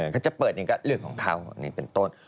ก็จะเปิดเรื่องของเขาอันนี้เป็นต้น